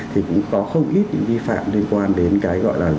thì cũng có không ít những vi phạm liên quan đến cái gọi là